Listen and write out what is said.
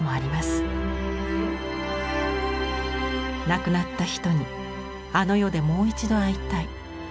「亡くなった人にあの世でもう一度会いたい」。